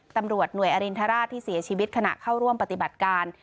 ตำรวจหน่วยอรินทราชที่เสียชีวิตขณะเข้าร่วมปฏิบัติการ